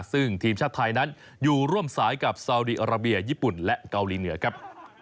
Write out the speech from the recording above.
ซึ่งทีมชาติไทยนั้นอยู่ร่วมสายกับซาวดีอาราเบียญี่ปุ่นและเกาหลีเหนือครับ